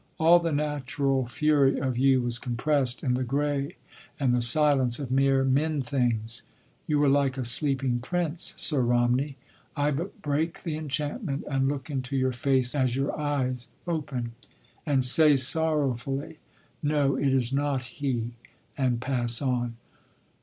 All the natural fury of you was compressed in the gray and the silence of mere men things. You were like a sleeping prince, Sir Romney. I but break the enchantment, and look into your face as your eyes open, and say sorrowfully—’No, it is not he,’ and pass on."